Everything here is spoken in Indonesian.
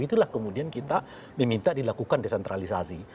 itulah kemudian kita meminta dilakukan desentralisasi